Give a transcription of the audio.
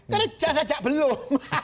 kerja saja belum